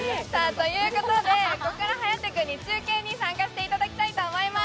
ということで、ここから颯君に中継に参加していただきたいと思います。